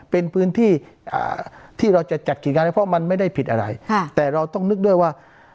เป็นพื้นที่ที่เราจะจัดกิจการให้เพราะมันไม่ได้ผิดอะไรแต่เราต้องนึกด้วยว่า